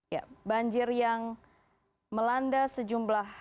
ya banjir yang melanda sejumlah